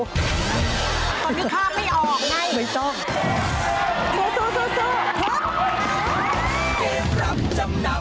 ตอนนี้ข้ามไม่ออกไงไม่ต้อง